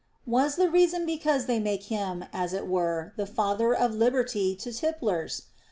Was the reason because they make him, as it were, the father of liberty to tipplers